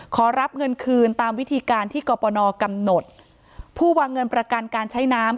ขอรับเงินคืนตามวิธีการที่กรปนกำหนดผู้วางเงินประกันการใช้น้ำ